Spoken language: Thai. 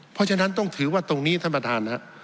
เพราะฉะนั้นต้องถือว่าตรงนี้ท่านประธาน